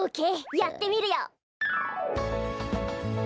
やってみるよ！